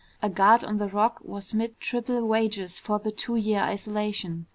A guard on the Rock was paid triple wages for the two year isolation.